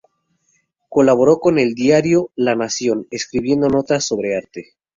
Colaboró con el diario La Nación escribiendo notas sobre arte.